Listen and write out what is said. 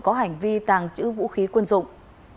có hành vi tàng trữ vũ khí quân dụng